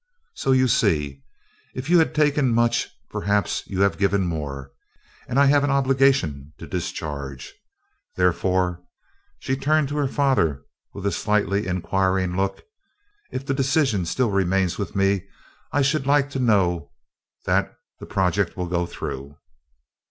So you see, if you have taken much, perhaps you have given more, and I have an obligation to discharge. Therefore," she turned to her father with a slightly inquiring look, "if the decision still remains with me, I should like to know that the project will go through."